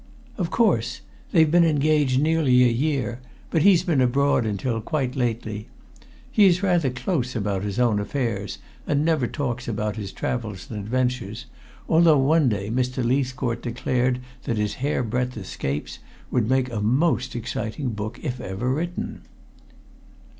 "Of course. They've been engaged nearly a year, but he's been abroad until quite lately. He is rather close about his own affairs, and never talks about his travels and adventures, although one day Mr. Leithcourt declared that his hairbreadth escapes would make a most exciting book if ever written."